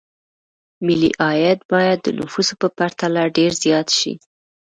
ملي عاید باید د نفوسو په پرتله ډېر زیات شي.